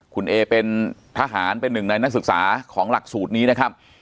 คุณเอเป็นทหารเป็นหนึ่งในนักศึกษาของหลักสูตรนี้นะครับ